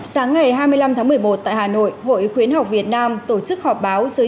sáng ngày hai mươi năm tháng một mươi một tại hà nội hội khuyến học việt nam tổ chức họp báo giới